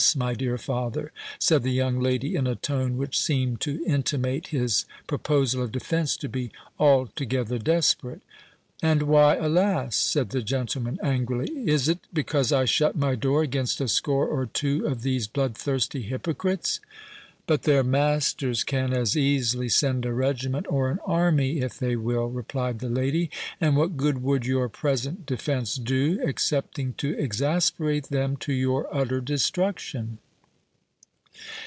my dear father!"—said the young lady, in a tone which seemed to intimate his proposal of defence to be altogether desperate. "And why, alas?" said the gentleman, angrily; "is it because I shut my door against a score or two of these blood thirsty hypocrites?" "But their masters can as easily send a regiment or an army, if they will," replied the lady; "and what good would your present defence do, excepting to exasperate them to your utter destruction?"